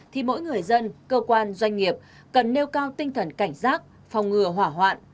thì mỗi người dân cơ quan doanh nghiệp cần nêu cao tinh thần cảnh giác phòng ngừa hỏa hoạn